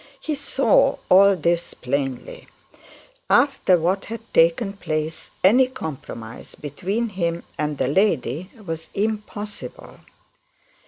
He saw all this plainly. After what had taken place any compromise between him and the lady was impossible.